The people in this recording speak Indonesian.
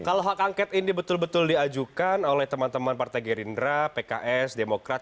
kalau hak angket ini betul betul diajukan oleh teman teman partai gerindra pks demokrat